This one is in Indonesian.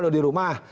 atau di rumah